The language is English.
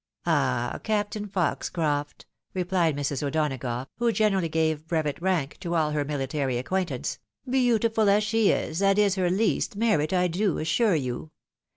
" Ah I Captain Foxcroft," replied Mrs. O'Donagough, who generally gave brevet rank to all her military acquaintance, "beautiful as she, is, that is her least merit I do assure you!